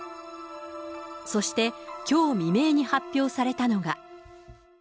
そしてきょう未明に発表されたのが。